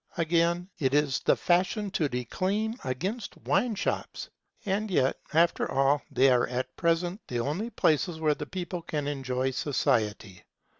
Again, it is the fashion to declaim against wine shops; and yet after all they are at present the only places where the people can enjoy society.